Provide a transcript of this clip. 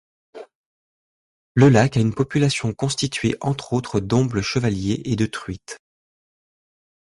Le lac a une population constituée entre autres d'omble chevalier et de truites.